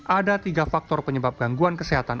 ada tiga faktor penyebab gangguan kesehatan